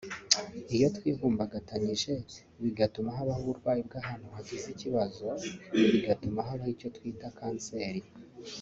iyo twivumbagatanyije bituma habaho uburwayi bw’ahantu hagize ikibazo bigatuma habaho icyo twita kanseri